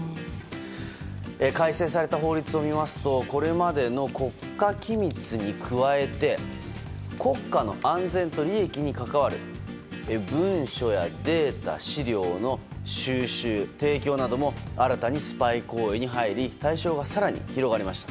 改正された法律を見ますとこれまでの国家機密に加えて国家の安全と利益に関わる文書やデータ、資料の収集・提供なども新たにスパイ行為に入り対象が更に広がりました。